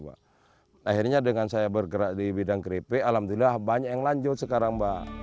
akhirnya dengan saya bergerak di bidang keripik alhamdulillah banyak yang lanjut sekarang mbak